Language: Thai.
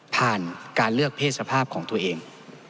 ผ่านการเลือกเพศสภาพของตัวเอง